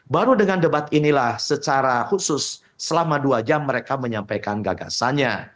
baru dengan debat inilah secara khusus selama dua jam mereka menyampaikan gagasannya